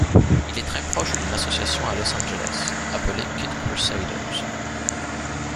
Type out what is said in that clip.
Il est très proche d'une association à Los Angeles appelée KittCrusaders.